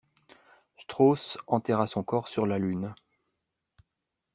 Strauss enterra son corps sur la lune.